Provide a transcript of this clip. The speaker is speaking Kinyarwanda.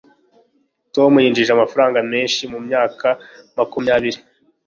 tom yinjije amafaranga menshi mumyaka makumyabiri